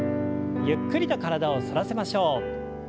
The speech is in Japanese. ゆっくりと体を反らせましょう。